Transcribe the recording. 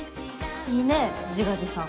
いいね自画自賛。